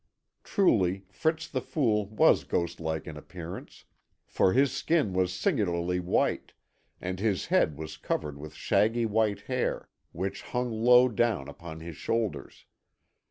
Truly Fritz the Fool was ghostlike in appearance, for his skin was singularly white, and his head was covered with shaggy white hair which hung low down upon his shoulders.